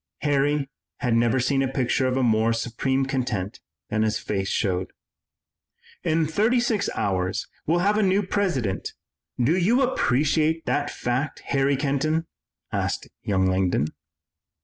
Harry had never seen a picture of more supreme content than his face showed. "In thirty six hours we'll have a new President, do you appreciate that fact, Harry Kenton?" asked young Langdon.